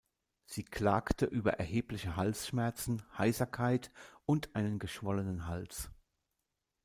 Sie klagte über erhebliche Halsschmerzen, Heiserkeit und einen geschwollenen Hals.